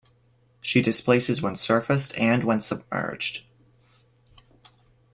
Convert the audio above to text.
She displaces when surfaced, and when submerged.